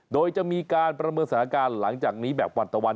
โดยจะมีการประเมินสถานการณ์หลังจากนี้แบบวันตะวัน